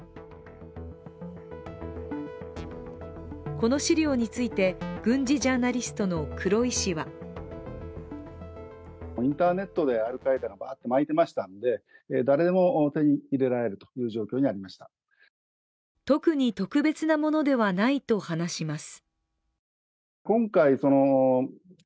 この資料について、軍事ジャーナリストの黒井氏は特に特別なものではないと話します。